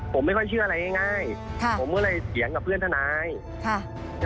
ผมไม่ค่อยเชื่ออะไรง่ายง่ายค่ะผมเมื่อไรเสียงกับเพื่อนทนายค่ะ